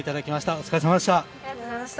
お疲れさまでした。